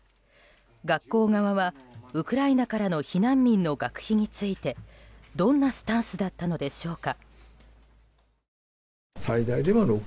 学校側はウクライナからの避難民の学費についてどんなスタンスだったのでしょうか。